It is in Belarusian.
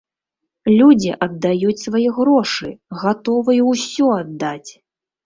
Людзі аддаюць свае грошы, гатовыя ўсё аддаць!